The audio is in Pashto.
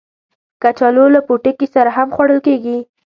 کچالو له پوټکي سره هم خوړل کېږي